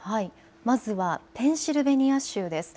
まずはペンシルベニア州です。